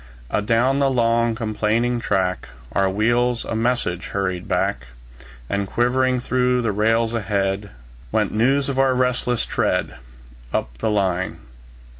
Adown the long, complaining track, Our wheels a message hurried back; And quivering through the rails ahead, Went news of our resistless tread, Up the line.